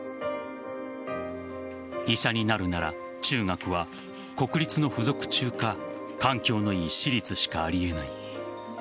医者になるなら中学は国立の付属中か環境の良い私立しかありえない。